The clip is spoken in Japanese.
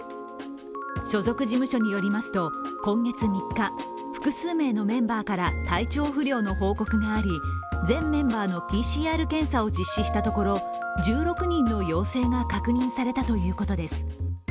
所属事務所によりますと今月３日、複数名のメンバーから体調不良の報告があり、全メンバーのＰＣＲ検査を実施したところ１６人の陽性が確認されたということです。